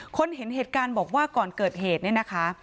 เห็นเหตุการณ์บอกว่าก่อนเกิดเหตุเนี่ยนะคะ